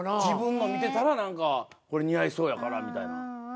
自分の見てたら何かこれ似合いそうやからみたいな。